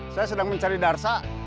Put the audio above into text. saya sedang mencari darsa